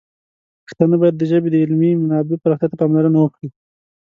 پښتانه باید د ژبې د علمي منابعو پراختیا ته پاملرنه وکړي.